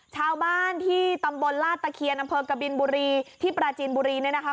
ชาวบ้านที่ตำบลลาดตะเคียนอำเภอกบินบุรีที่ปราจีนบุรีเนี่ยนะคะ